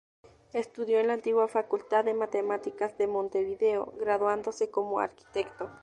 Estudió en la antigua Facultad de Matemáticas de Montevideo, graduándose como arquitecto.